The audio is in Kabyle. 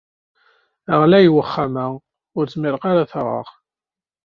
Ɣlay uxxam-a, ur zmireɣ ad t-aɣeɣ.